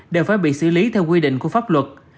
đều phải bị xử lý theo quy định của pháp luật